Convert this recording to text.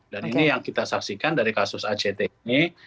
dan ini yang kita saksikan dari kasus act ini